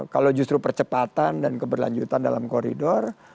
kalau justru percepatan dan keberlanjutan dalam koridor